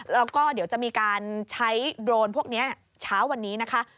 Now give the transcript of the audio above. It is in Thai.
แล้วก็เดี๋ยวจะมีการใช้โดรนพวกนี้เช้าวันนี้นะคะ